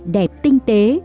đẹp tinh tế